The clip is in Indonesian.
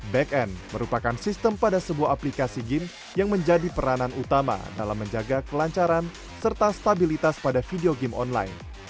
back end merupakan sistem pada sebuah aplikasi game yang menjadi peranan utama dalam menjaga kelancaran serta stabilitas pada video game online